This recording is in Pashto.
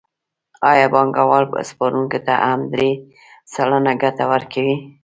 آیا بانکوال سپارونکو ته هم درې سلنه ګټه ورکوي